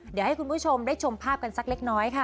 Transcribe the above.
เดี๋ยวให้คุณผู้ชมได้ชมภาพกันสักเล็กน้อยค่ะ